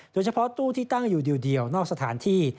โดยเฉพาะตู้ที่ตั้งอยู่เดียวนอกสถานที่